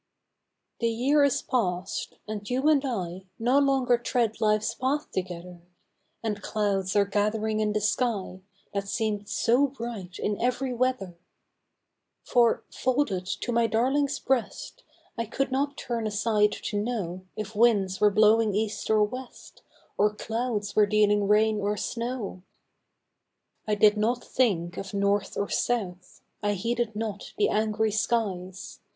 THE year is past, and you and I No longer tread life's path together, And clouds are gathering in the sky, That seem'd so bright in ev'ry weather ! For, folded to my darling's breast, I could not turn aside to know If winds were blowing east or west, Or clouds were dealing rain or snow ! 1 did not think of north or south, I heeded not the angry skies.